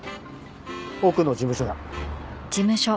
奥の事務所だ。